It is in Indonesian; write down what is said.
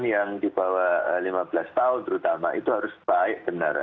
yang di bawah lima belas tahun terutama itu harus baik benar